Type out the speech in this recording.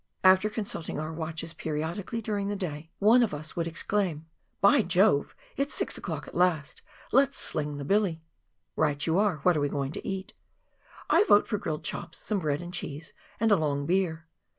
After consulting our watches periodically during the day, one of us would exclaim, " By Jove, it's six o'clock at last ; let's sKng the billy." " Right you are ; what are we going to eat ?" "I vote for grilled chops, some bread and cheese, and a long beer."